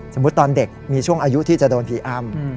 สมมุติตอนเด็กมีช่วงอายุที่จะโดนพิอำ